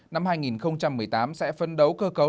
năm hai nghìn một mươi tám sẽ phân đấu cơ cấu